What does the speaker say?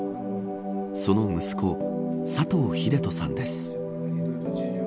その息子、佐藤秀人さんです。